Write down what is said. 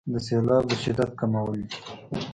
د سیلاب د شدت کمول دي.